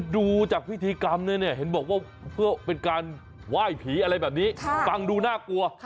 ดูจากพิธีกรรมนี้เห็นว่าเป็นการไหว้ผีฟังดูหน้ากลัว